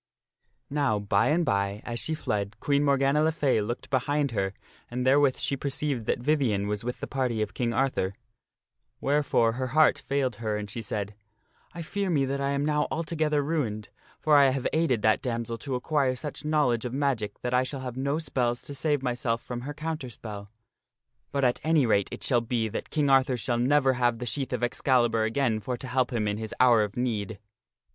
( Now, by and by, as she fled, Queen Morgana le Fay looked behind her and therewith she perceived that Vivien was with the party of King Arthur, wherefore her heart failed her and she said, " I fear me that I am now altogether ruined, for I have aided that damsel to acquire such knowledge of magic that I shall have no spells to save myself from her counter spell. But at any rate it shall be that King Arthur shall never have the sheath of Excalibur again for to help him in his hour of need."